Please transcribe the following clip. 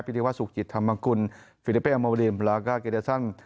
ยืนถึงว่าสุขจิตธรรมกุลฟิลิปเปล์อัมมาวิริมแล้วก็เกรียร์สัน